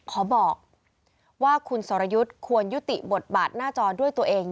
ขอบอกว่าคุณสรยุทธ์ควรยุติบทบาทหน้าจอด้วยตัวเอง